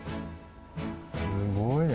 すごいね。